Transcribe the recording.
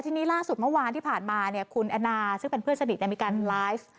ทีนี้ล่าสุดเมื่อวานที่ผ่านมาคุณแอนนาซึ่งเป็นเพื่อนสนิทมีการไลฟ์